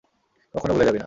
কখনও ভুলে যাবি না।